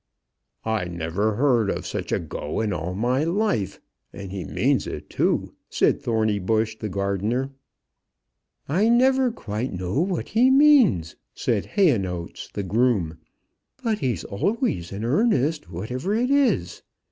"I never heard of such a go in all my life; and he means it, too," said Thornybush, the gardener. "I never quite know what he means," said Hayonotes, the groom; "but he's always in earnest, whatever it is.